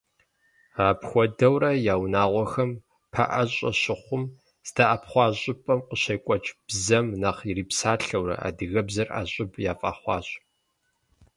Апхуэдэурэ я унагъуэхэм пэӀэщӀэ щыхъум, здэӀэпхъуа щӀыпӀэм къыщекӀуэкӀ бзэм нэхъ ирипсалъэурэ, адыгэбзэр ӀэщӀыб яфӀэхъуащ.